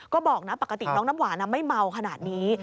ก็บอกนะปกติน้องน้ำหวานไม่เมาขนาดนี้